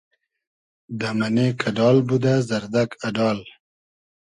دۂ مئنې کئۮال بودۂ زئردئگ اۮال